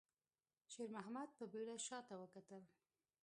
شېرمحمد په بيړه شاته وکتل.